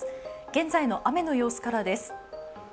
現在の雨の様子からです。